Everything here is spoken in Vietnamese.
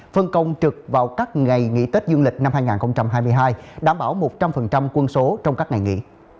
phân công trực vào các ngày nghỉ tết dương lịch năm hai nghìn hai mươi hai đảm bảo một trăm linh quân số trong các ngày nghỉ